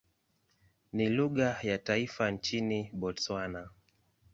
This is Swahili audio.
Ni lugha ya taifa nchini Botswana.